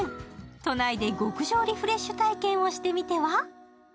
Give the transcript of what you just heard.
都内で極上リフレッシュ体験をしてみては？